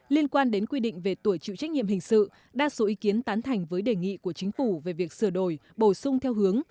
liên quan đến quy định về tuổi chịu trách nhiệm hình sự đa số ý kiến tán thành với đề nghị của chính phủ về việc sửa đổi bổ sung theo hướng